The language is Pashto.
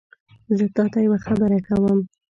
زه تاته یوه خبره کوم